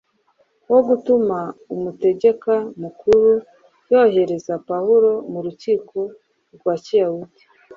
wo gutuma umutegeka mukuru yohereza Pawulo mu rukiko rwa Kiyahudi.